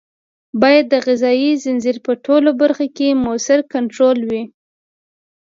باید د غذایي ځنځیر په ټولو برخو کې مؤثر کنټرول وي.